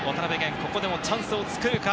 ここでのチャンスを作るか？